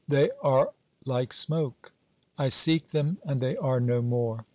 They are like smoke : I seek them and they are no more.